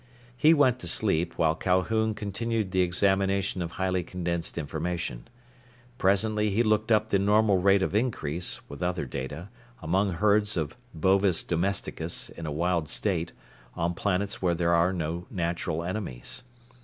He went to sleep, while Calhoun continued the examination of highly condensed information. Presently he looked up the normal rate of increase, with other data, among herds of bovis domesticus in a wild state, on planets where there are no natural enemies.